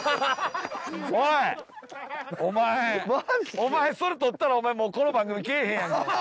お前それ取ったらもうこの番組来えへんやんか。